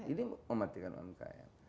ini mematikan umkm